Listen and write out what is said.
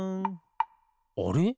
あれ？